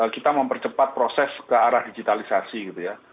kita mempercepat proses ke arah digitalisasi gitu ya